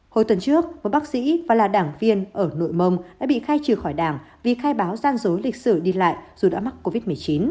hồi tuần trước một bác sĩ và là đảng viên ở nội mông đã bị khai trừ khỏi đảng vì khai báo gian dối lịch sử đi lại dù đã mắc covid một mươi chín